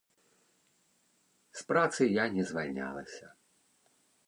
З працы я не звальнялася.